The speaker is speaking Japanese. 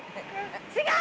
違う！